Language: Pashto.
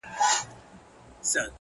• بس پردی وم بس بی واکه وم له ځانه ,